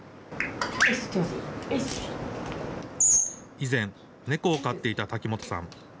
以前、猫を飼っていた瀧本さん。